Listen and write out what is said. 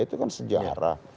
itu kan sejarah